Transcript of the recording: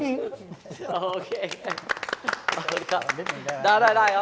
โอเคค่ะนิดหนึ่งก็ได้นะ